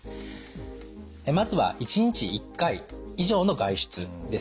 まずは「１日１回以上の外出」です。